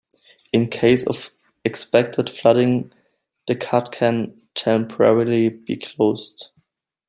In case of expected flooding the cut can temporarily be closed.